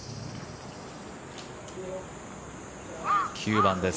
９番です。